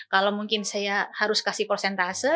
kalau mungkin saya harus kasih prosentase